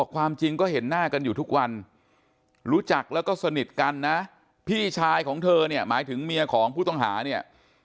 ความจริงก็เห็นหน้ากันอยู่ทุกวันรู้จักแล้วก็สนิทกันนะพี่ชายของเธอเนี่ยหมายถึงเมียของผู้ต้องหาเนี่ย